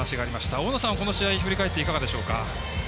大野さん、この試合を振り返っていかがでしょうか？